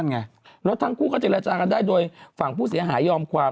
แล้วทั้งคู่ก็เจรจากันได้โดยฝั่งผู้เสียหายยอมความ